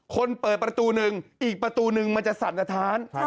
เปิดประตูหนึ่งอีกประตูนึงมันจะสั่นสะท้าน